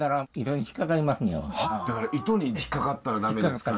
だから糸に引っかかったら駄目ですから。